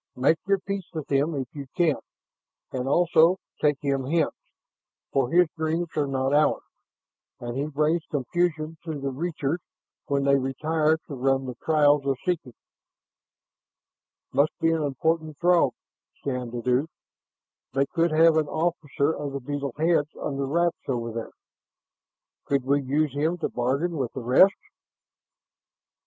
Make your peace with him if you can, and also take him hence, for his dreams are not ours, and he brings confusion to the Reachers when they retire to run the Trails of Seeking." "Must be an important Throg," Shann deduced. "They could have an officer of the beetle heads under wraps over there. Could we use him to bargain with the rest?"